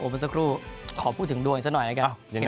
โอเบอร์สักครู่ขอพูดถึงด้วยสักหน่อยนะครับยังไง